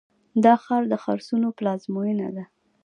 دا ښار د خرسونو پلازمینه ده.